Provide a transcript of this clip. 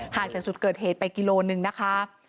จากจุดเกิดเหตุไปกิโลนึงนะคะ